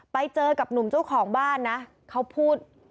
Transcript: ไปเจอกับหนุ่มเจ้าของบ้านนะเขาพูด